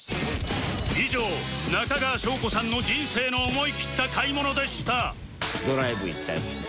以上中川翔子さんの人生の思い切った買い物でした